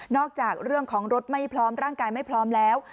จากเรื่องของรถไม่พร้อมร่างกายไม่พร้อมแล้ว